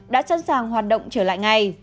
đã sẵn sàng hoạt động trở lại ngay